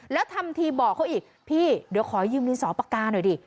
แล้วทำทีบอกเขาอีกพี่เดี๋ยวขอยืมดินสอปากกาหน่อยดิ